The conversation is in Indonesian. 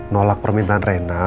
nolak permintaan rena